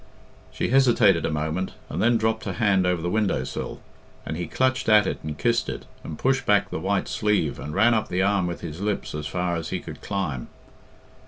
She hesitated a moment, and then dropped her hand over the window sill, and he clutched at it and kissed it, and pushed back the white sleeve and ran up the arm with his lips as far as he could climb.